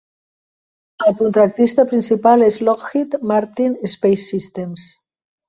El contractista principal és Lockheed Martin Space Systems.